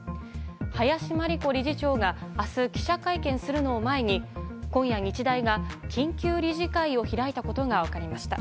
林真理子理事長が明日、記者会見するのを前に今夜、日大が緊急理事会を開いたことが分かりました。